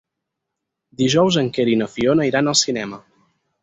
Dijous en Quer i na Fiona iran al cinema.